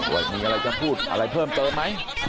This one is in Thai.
ว่ามีอะไรจะพูดอะไรเพิ่มเติมไหม